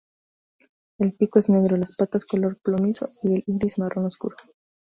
El pico es negro, las patas color plomizo y el iris marrón oscuro.